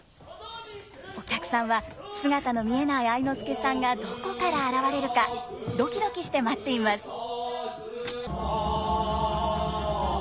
お客さんは姿の見えない愛之助さんがどこから現れるかドキドキして待っています。